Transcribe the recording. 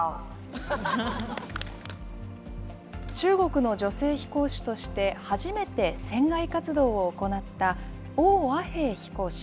中国の女性飛行士として、初めて船外活動を行った、王亜平飛行士。